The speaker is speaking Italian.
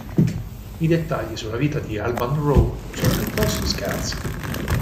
I dettagli sulla vita di Alban Roe sono piuttosto scarsi.